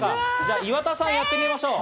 岩田さん、やってみましょう。